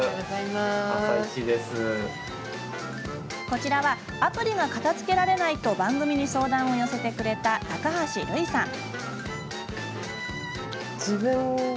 こちらはアプリが片づけられないと番組に相談を寄せてくれた高橋瑠衣さん。